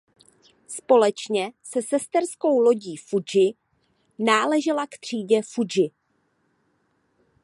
Společně se sesterskou lodí "Fudži" náležela k třídě "Fudži".